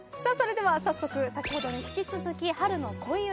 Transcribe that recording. さあそれでは早速先ほどに引き続き。